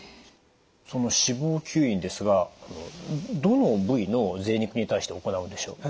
その脂肪吸引ですがどの部位のぜい肉に対して行うんでしょう？